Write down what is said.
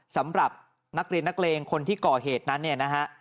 สำหรับนักเรียนนักเรงเนี่ย